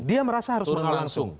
dia merasa harus mengenal langsung